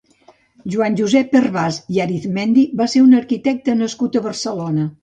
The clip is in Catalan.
Joan Josep Hervás i Arizmendi va ser un arquitecte nascut a Barcelona.